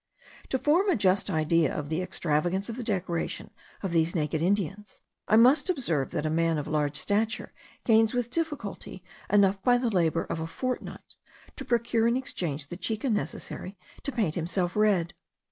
To form a just idea of the extravagance of the decoration of these naked Indians, I must observe, that a man of large stature gains with difficulty enough by the labour of a fortnight, to procure in exchange the chica necessary to paint himself red.